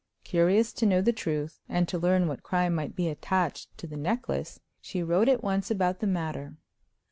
Curious to know the truth, and to learn what crime might be attached to the necklace, she wrote at once about the matter.